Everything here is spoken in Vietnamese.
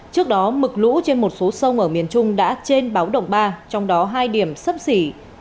trước đó mực lũ trên một số sông ở miền trung đã trên báo động ba trong đó hai điểm sấp xỉ